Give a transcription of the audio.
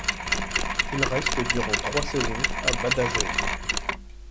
Il reste durant trois saisons à Badajoz.